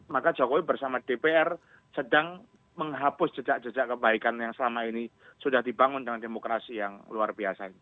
maka jokowi bersama dpr sedang menghapus jejak jejak kebaikan yang selama ini sudah dibangun dengan demokrasi yang luar biasa ini